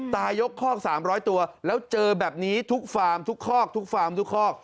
ตายกคอก๓๐๐ตัวแล้วเจอแบบนี้ทุกฟาร์มทุกคอกทุกฟาร์มทุกคอก